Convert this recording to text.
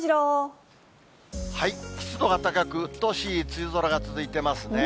湿度が高く、うっとうしい梅雨空が続いていますね。